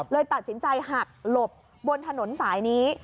เลยตัดสินใจหักหลบบนถนนสายนี้